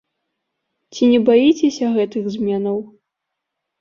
Ці не баіцеся гэтых зменаў?